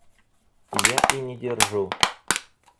Я и не держу.